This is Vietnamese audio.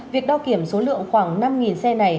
việc đo kiểm số lượng khoảng năm xe này